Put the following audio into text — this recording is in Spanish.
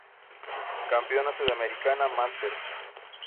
Campeona sudamericana Master.